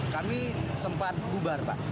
kami sempat bubar